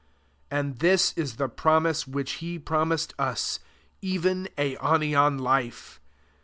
25 And this is the promise which he promised us, even aionian life.